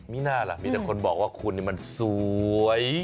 มีหน้าล่ะมีแต่คนบอกว่าคุณมันสวย